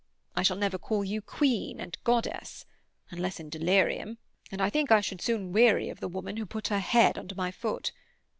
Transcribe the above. I shall never call you queen and goddess—unless in delirium, and I think I should soon weary of the woman who put her head under my foot.